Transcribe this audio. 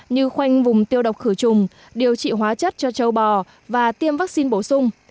như khoanh vùng tiêu độc khử trùng điều trị hóa chất cho châu bò và tiêm vaccine bổ sung